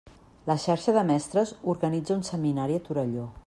La xarxa de mestres organitza un seminari a Torelló.